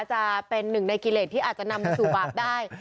จะเป็นหนึ่งในกิเลสที่อาจจะนำมาสู่บาปได้